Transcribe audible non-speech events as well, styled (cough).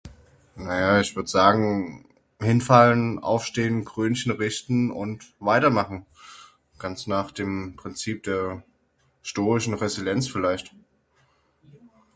Naja ich würd sagen, (hesitation) hinfallen, aufstehen, Krönchen richten und weitermachen. Ganz nach dem Prinzip der stoischen Resilienz vielleicht. (noise)